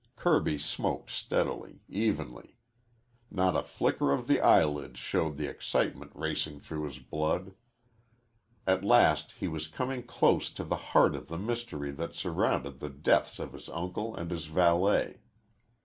Kirby smoked steadily, evenly. Not a flicker of the eyelids showed the excitement racing through his blood. At last he was coming close to the heart of the mystery that surrounded the deaths of his uncle and his valet.